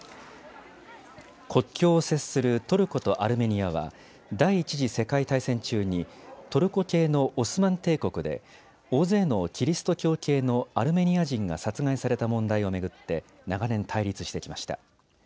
国境を接するトルコとアルメニアは第１次世界大戦中にトルコ系のオスマン帝国で大勢のキリスト教系のアルメニア人が殺害された問題を巡って長年、対立してきました。